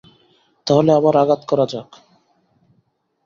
তাহলে আবার আঘাত করা যাক।